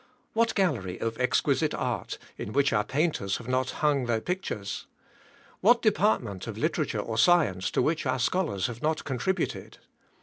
What gallery of exquisite art, in which our painters have not hung their pictures! What department of literature or science to which our scholars have not contributed!